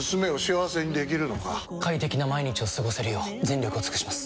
快適な毎日を過ごせるよう全力を尽くします！